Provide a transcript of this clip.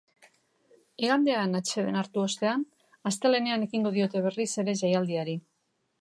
Igandean atseden hartu ostean, astelehenean ekingo diote berriz ere jaialdiari.